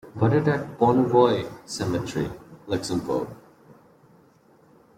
Buried at Bonnevoie cemetery, Luxembourg.